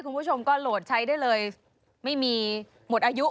คุณผู้ชมก็โหลดใช้ได้เลยไม่มีหมดอายุ